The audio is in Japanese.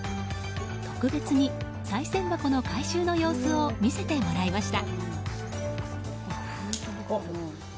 特別に、さい銭箱の回収の様子を見せてもらいました。